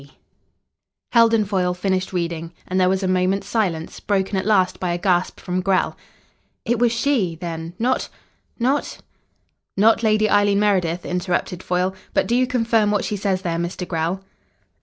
P." Heldon Foyle finished reading, and there was a moment's silence, broken at last by a gasp from Grell. "It was she, then, not not " "Not Lady Eileen Meredith," interrupted Foyle. "But do you confirm what she says there, Mr. Grell?"